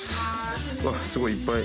うわっすごいいっぱい。